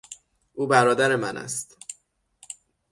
او برادر من است.